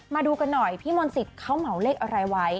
มาดูกันหน่อยพี่มนต์สิทธิ์เขาเหมาเลขอะไรไว้